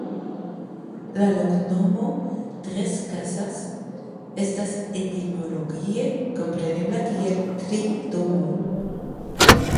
La loknomo "Trescasas" estas etimologie komprenebla kiel Tri Domoj.